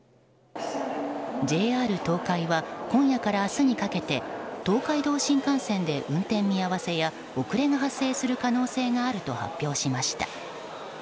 ＪＲ東海は今夜から明日にかけて東海道新幹線で運転見合わせや遅れが発生する可能性があると発表しました。